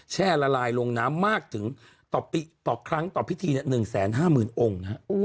แช่ละลายลงน้ำมากถึงต่อปีต่อครั้งต่อพิธีเนี่ย๑๕๐๐๐๐องค์นะฮะ